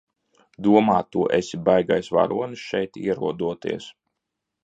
Domā tu esi baigais varonis šeit ierodoties?